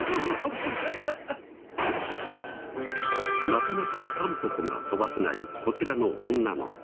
なかなかタンポポが飛ばせないこちらの女の子。